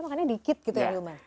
makannya dikit gitu ya niumat